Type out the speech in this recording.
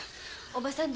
おばさん！